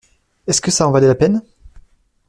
Est-ce que ça en valait la peine?